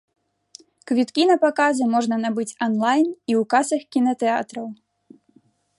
Квіткі на паказы можна набыць анлайн і ў касах кінатэатраў.